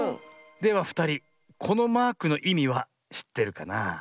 ではふたりこのマークのいみはしってるかな？